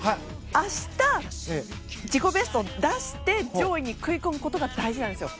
明日、自己ベストを出して上位に食い込むことが大事なんですよ。